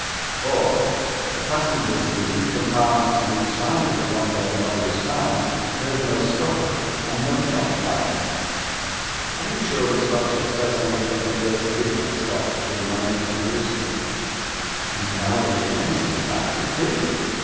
Fourth, the passengers in the two compartments on each side of the one where the body was found heard no scuffle and no shot fired.' 'Are you sure the Scotch Express on the 21st did not stop between London and Brewster?' 'Now that you mention the fact, it did.